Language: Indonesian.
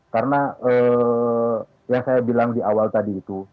karena yang saya bilang di awal tadi itu